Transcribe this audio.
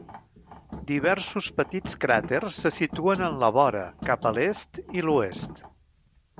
Diversos petits cràters se situen en la vora cap a l'est i l'oest.